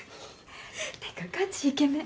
ってかガチイケメン！